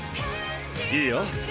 いいよ。